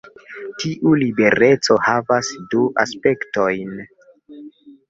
Tiu libereco havas du aspektojn.